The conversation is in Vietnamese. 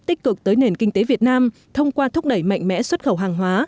tích cực tới nền kinh tế việt nam thông qua thúc đẩy mạnh mẽ xuất khẩu hàng hóa